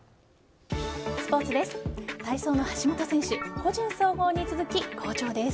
スポーツです。